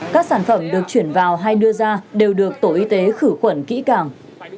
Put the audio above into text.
các sản phẩm được chuyển vào hay đưa ra đều được tổ y tế khử khuẩn kỹ càng